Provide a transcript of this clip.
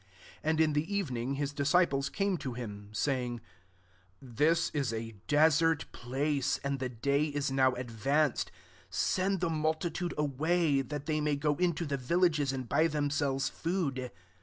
15 And in the evening, his disciples came to him, say ing, '^This is a desert place, and the day is now advanced ; send the multitude away, that they may go into the villages and buy themselves food."